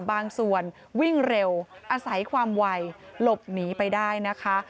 บางส่วนวิ่งเร็วอาศัยความไวหลบหนีไปได้นะคะ